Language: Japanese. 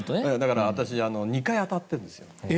私、２回当たってるんですよ。